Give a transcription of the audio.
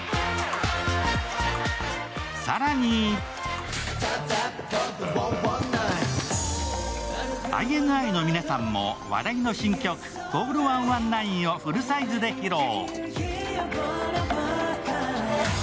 更に、ＩＮＩの皆さんも話題の新曲、「ＣＡＬＬ１１９」をフルサイズで披露。